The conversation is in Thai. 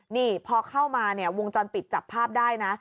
นี่พอเข้ามาเนี่ยวงจรปิดจับภาพได้นะ